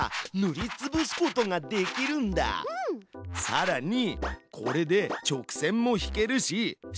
さらにこれで直線も引けるし四角も描ける。